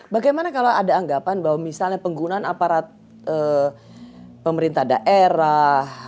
bagaimana kalau ada anggapan bahwa misalnya penggunaan aparat pemerintah daerah